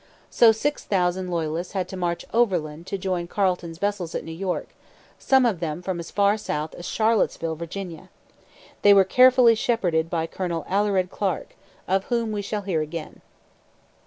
So six thousand Loyalists had to march overland to join Carleton's vessels at New York, some of them from as far south as Charlottesville, Virginia. They were carefully shepherded by Colonel Alured Clarke, of whom we shall hear again.